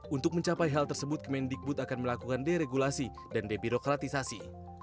untuk mencapai hal tersebut kemendikbud akan melakukan deregulasi dan debirokratisasi